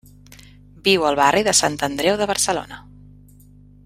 Viu al barri de Sant Andreu de Barcelona.